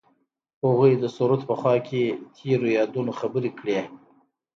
هغوی د سرود په خوا کې تیرو یادونو خبرې کړې.